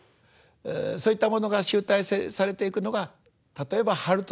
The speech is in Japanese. そういったものが集大成されていくのが例えば「春と修羅」。